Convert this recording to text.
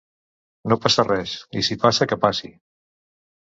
No passa res, i si passa que passi!